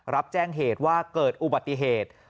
รับแจ้งเหตุว่าเกิดอุบัติเหตุ